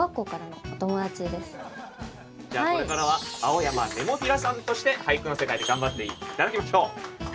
じゃあこれからは青山ネモフィラさんとして俳句の世界で頑張って頂きましょう。